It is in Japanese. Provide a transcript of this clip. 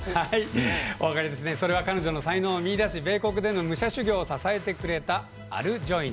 それは彼女の才能を見いだしアメリカでの武者修行を支えてくれたアル・ジョイナーさんです。